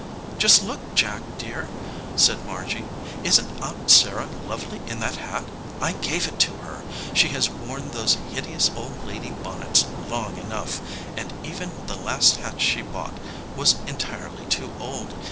"Just look, Jack dear," said Margy. "Isn t Aunt Sarah lovely in that hat? I gave it to her. She has worn those hideous old lady bonnets long enough, and even the last hat she bought was en tirely too old.